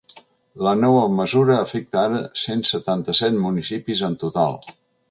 La nova mesura afecta ara cent setanta-set municipis en total.